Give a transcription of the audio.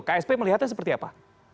ksp melihatnya seperti apa